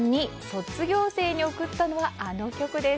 卒業生に贈ったのは、あの曲です。